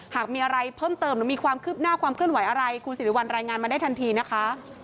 หากมีอะไรเพิ่มเติมหรือมีความคืบหน้าความเคลื่อนไหวอะไรคุณสิริวัลรายงานมาได้ทันทีนะคะ